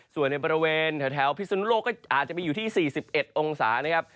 ส่วนในบริเวณแถวพิสุนุโลกก็อาจจะไปอยู่ที่๔๑องศานะครับ